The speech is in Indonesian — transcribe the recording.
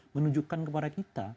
menunjukkan kepada kita